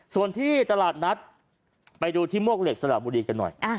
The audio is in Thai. ส่วนที่ตลาดนัดไปดูที่มวกเหล็กสละบุรีกันหน่อย